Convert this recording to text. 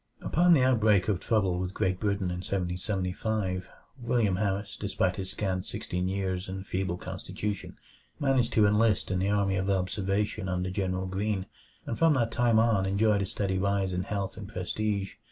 Upon the outbreak of trouble with Great Britain in 1775, William Harris, despite his scant sixteen years and feeble constitution, managed to enlist in the Army of Observation under General Greene; and from that time on enjoyed a steady rise in health and prestige.